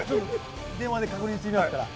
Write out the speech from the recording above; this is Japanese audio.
電話で確認してみますから。